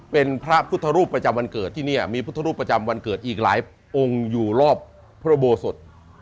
เป็นพระพุทธรูปประจำวันเกิดที่นี่มีพุทธรูปประจำวันเกิดอีกหลายองค์อยู่รอบพระโบสถ